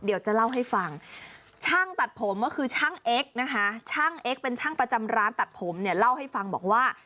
เดี๋ยวจะเล่าให้ฟังช่างตัดผมก็คือช่างเอ็กซ์นะคะช่างเอ็กซเป็นช่างประจำร้านตัดผมเนี่ยเล่าให้ฟังบอกว่า